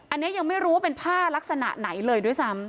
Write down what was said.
อันนี้ยังไม่รู้ว่าเป็นผ้าลักษณะไหนเลยด้วยซ้ำ